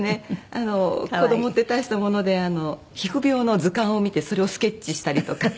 あの子どもって大したもので皮膚病の図鑑を見てそれをスケッチしたりとか。